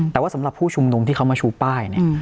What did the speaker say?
แต่ว่าสำหรับผู้ชุมนุมที่เขามาชูป้ายเนี่ย